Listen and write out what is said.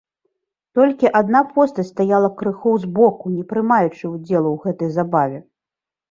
Толькі адна постаць стаяла крыху збоку, не прымаючы ўдзелу ў гэтай забаве.